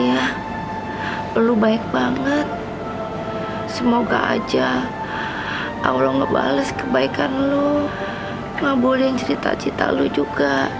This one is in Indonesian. ya lu baik banget semoga aja allah ngebales kebaikan lo gak boleh cerita cerita lu juga